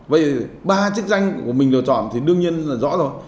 vậy ba chức danh của mình lựa chọn thì đương nhiên là rõ rồi